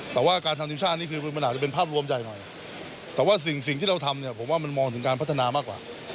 แต่ว่าการทำทีมชาตินี่คือมันอาจจะเป็นภาพรวมใหญ่หน่อยแต่ว่าสิ่งที่เราทำเนี่ยผมว่ามันมองถึงการพัฒนามากกว่า